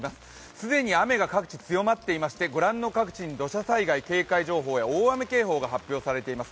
既に雨が各地強まっていまして、ご覧の各地に土砂災害警戒情報や大雨警報が発表されています。